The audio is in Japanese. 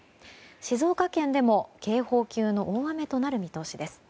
静岡県でも警報級の大雨となる見通しです。